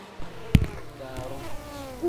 Daaru.